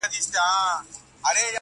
بوډا خپل نکل ته ژاړي نسته غوږ د اورېدلو!